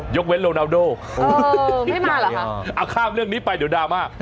เว้นโลนาวโดไม่มาเหรอคะเอาข้ามเรื่องนี้ไปเดี๋ยวดราม่า